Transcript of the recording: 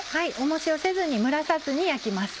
重しをせずに蒸らさずに焼きます。